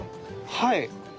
はい。